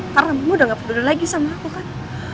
karena mama udah gak peduli lagi sama aku kan